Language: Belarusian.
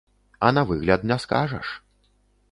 А на выгляд не скажаш.